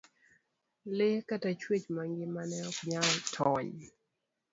lee kata chuech mangima ne ok nyal tony.